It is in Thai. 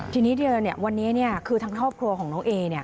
ทีนี้เดียววันนี้คือทางท่อพครัวของน้องเอ๊